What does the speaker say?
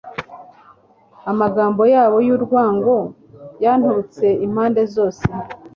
amagambo yabo y'urwango yanturutse impande zose